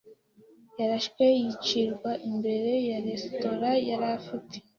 yarashwe yicirwa imbere ya resitora yari afite.